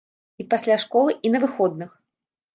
І пасля школы, і на выходных.